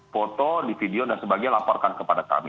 foto di video dan sebagainya laporkan kepada kami